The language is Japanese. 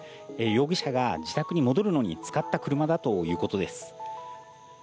容疑者が自宅に戻るのに使った車だということです。